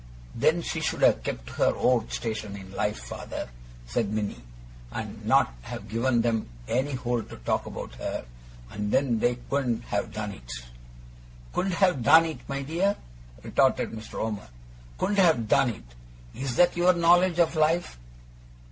'Then she should have kept to her own station in life, father,' said Minnie, 'and not have given them any hold to talk about her, and then they couldn't have done it.' 'Couldn't have done it, my dear!' retorted Mr. Omer. 'Couldn't have done it! Is that YOUR knowledge of life?